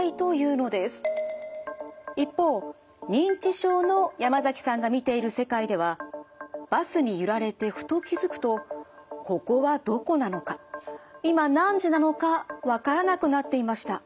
一方認知症の山崎さんが見ている世界ではバスに揺られてふと気付くとここはどこなのか今何時なのかわからなくなっていました。